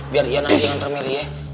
biar ian aja yang antar mary ya